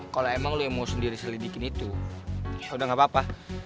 kalau emang lo yang mau sendiri selidikin itu ya udah gak apa apa